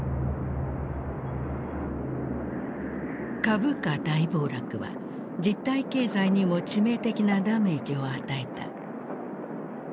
株価大暴落は実体経済にも致命的なダメージを与えた。